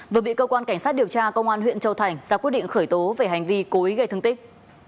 vừa bị cơ quan cảnh sát điều tra công an huyện châu thành ra quyết định khởi tố về hành vi cố ý gây thương tích